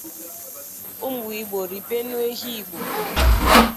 Ụmụ Igbo ribenụ ehi Igbo